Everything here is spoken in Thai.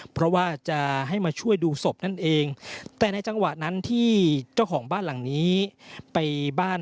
เพราะว่าจะให้มาช่วยดูศพนั่นเองแต่ในจังหวะนั้นที่เจ้าของบ้านหลังนี้ไปบ้าน